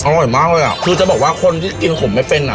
อร่อยมากเลยอ่ะคือจะบอกว่าคนที่กินขมไม่เป็นอ่ะ